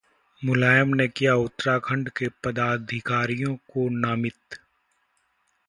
मुलायम ने किया उत्तराखंड के पदाधिकारियों को नामित